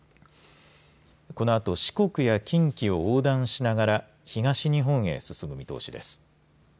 このあと、四国や近畿を横断しながら東日本へ進む見通しです。